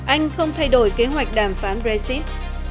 anh không thay đổi kế hoạch đàm phán brexit